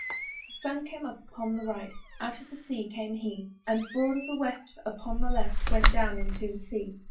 The Sun came up upon the right, Out of the Sea came he; And broad as a weft upon the left Went down into the Sea.